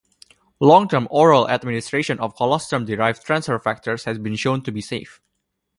Long-term oral administration of colostrum-derived transfer factors has been shown to be safe.